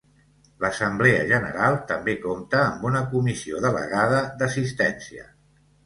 L'Assemblea general també compta amb una comissió delegada d'assistència.